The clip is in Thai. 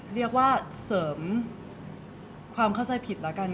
เรียกว่าเสริมความเข้าใจผิดแล้วกัน